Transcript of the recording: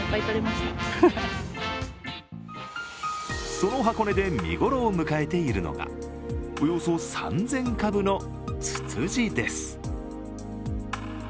その箱根で見頃を迎えているのがおよそ３０００株のツツジです。